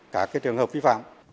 cả các trường hợp vi phạm